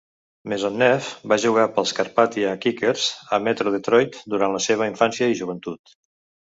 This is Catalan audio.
Maisonneuve va jugar pels Carpathia Kickers a Metro Detroit durant la seva infància i joventut.